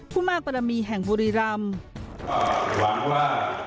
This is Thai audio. ผู้มากปรามีแห่งบุรีรำ